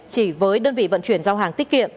chỉ với đơn vị vận chuyển giao hàng tiết kiệm